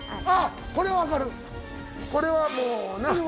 あっこれ分かるこれはもうな。